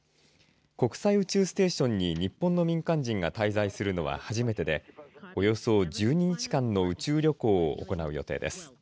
国際宇宙ステーションに日本の民間人が滞在するのは初めてでおよそ１２日間の宇宙旅行を行う予定です。